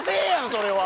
それは